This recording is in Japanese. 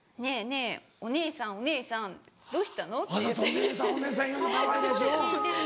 「お姉さんお姉さん」言うのかわいらしい。